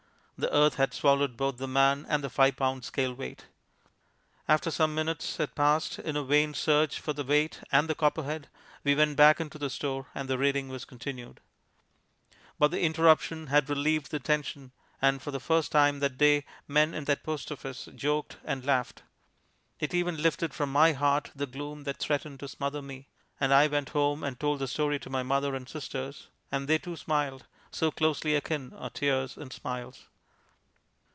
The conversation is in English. The earth had swallowed both the man and the five pound scale weight. After some minutes had passed in a vain search for the weight and the Copperhead, we went back into the store and the reading was continued. But the interruption had relieved the tension, and for the first time that day men in that post office joked and laughed. It even lifted from my heart the gloom that threatened to smother me, and I went home and told the story to my mother and sisters, and they too smiled, so closely akin are tears and smiles.